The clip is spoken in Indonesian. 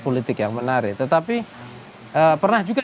politik yang menarik tetapi pernah juga